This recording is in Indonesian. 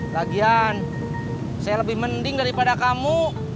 lagian saya lebih mending daripada kamu